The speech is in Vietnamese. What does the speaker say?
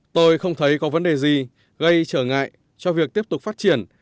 tôi không thấy có vấn đề gì gây trở ngại cho việc tiếp tục phát triển